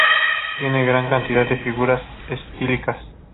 Tiene gran cantidad de figuras estilísticas.